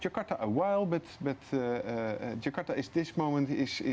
jakarta membutuhkan waktu tapi jakarta pada saat ini